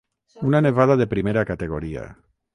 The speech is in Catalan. Una nevada de primera categoria.